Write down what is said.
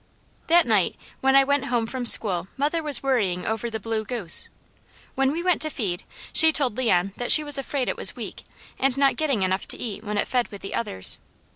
That night when I went home from school mother was worrying over the blue goose. When we went to feed, she told Leon that she was afraid it was weak, and not getting enough to eat when it fed with the others.